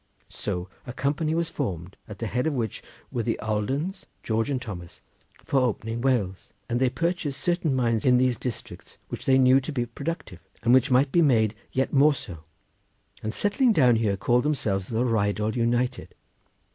So a company was formed, at the head of which were the Aldens, George and Thomas, for opening Wales, and they purchased certain mines in these districts, which they knew to be productive, and which might be made yet more so, and settling down here called themselves the Rheidol United.